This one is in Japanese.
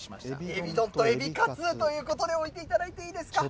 えび丼とエビカツということで、置いていただいていいですか。